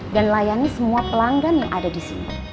dan layani semua pelanggan yang ada disini